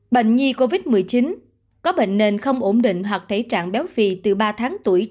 bệnh nhi covid một mươi chín có bệnh nền không ổn định hoặc thể trạng béo phì từ ba tháng tuổi trở